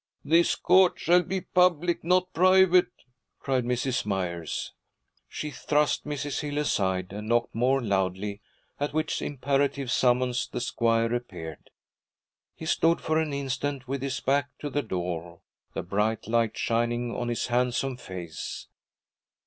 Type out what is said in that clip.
'This court shall be public, not private,' cried Mrs. Myers. She thrust Mrs. Hill aside and knocked more loudly, at which imperative summons the squire appeared. He stood for an instant with his back to the door, the bright light shining on his handsome face.